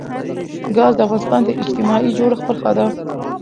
ګاز د افغانستان د اجتماعي جوړښت برخه ده.